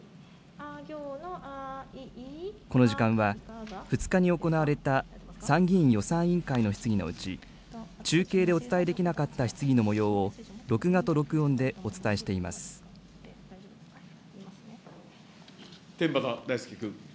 この時間は、２日に行われた参議院予算委員会の質疑のうち、中継でお伝えできなかった質疑のもようを、録画と録音でお伝えし天畠大輔君。